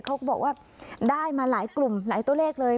เขาก็บอกว่าได้มาหลายกลุ่มหลายตัวเลขเลย